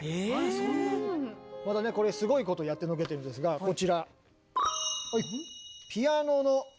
え⁉またねこれすごいことをやってのけているんですがこちら。